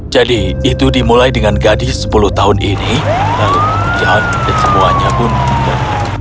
jadi itu dimulai dengan gadis sepuluh tahun ini lalu kemudian semuanya pun meninggal